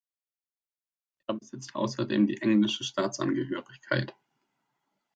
Er besitzt außerdem die englische Staatsangehörigkeit.